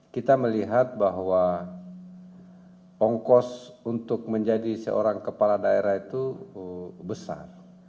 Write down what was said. kita melihat bahwa ongkos untuk menjadi seorang kepala daerah itu besar